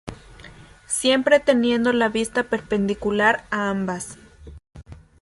Siempre teniendo la vista perpendicular a ambas.